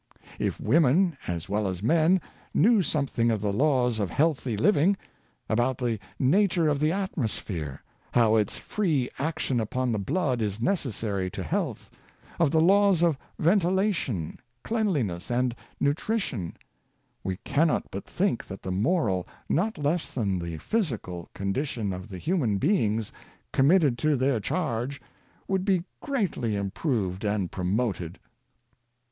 If women, as well as men, knew something of the laws of healthy living, about the nature of the atmosphere, how its free action upon the blood is necessary to health, of the laws of ventilation, cleanliness, and nutrition — we cannot but think that the moral, not less than the physical, condition of the hu man beings committed to their charge would be greatly improved and promoted.